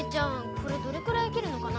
これどれくらい生きるのかな？